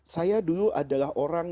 saya dulu adalah orang